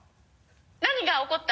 何が起こった？